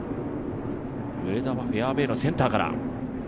上田はフェアウエーのセンターから。